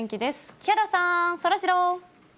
木原さん、そらジロー。